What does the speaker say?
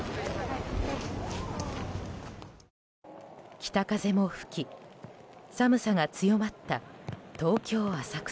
北風も吹き寒さが強まった東京・浅草。